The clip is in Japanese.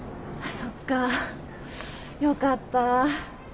そっかよかった。